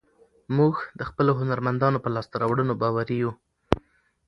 موږ د خپلو هنرمندانو په لاسته راوړنو باوري یو.